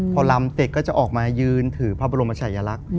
พอลำเสร็จก็จะออกมายืนถือพระบรมชายลักษณ์